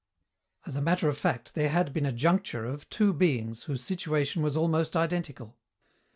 As a matter of fact there had been a juncture of two beings whose situation was almost identical.